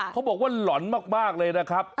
เขาบอกว่าหล่อนมากเลยนะครับ